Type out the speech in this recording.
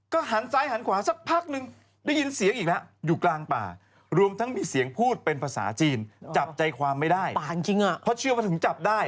ก็หันซ้ายหันขวาสักพักนึง